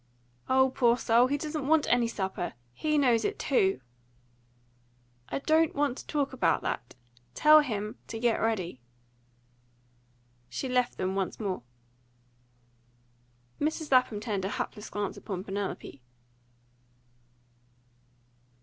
"O poor soul! He doesn't want any supper. HE knows it too." "I don't want to talk about that. Tell him to get ready." She left them once more. Mrs. Lapham turned a hapless glance upon Penelope.